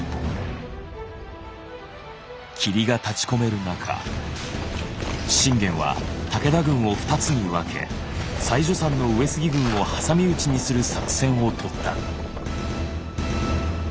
霧が立ちこめる中信玄は武田軍を２つに分け妻女山の上杉軍を挟み撃ちにする作戦をとった。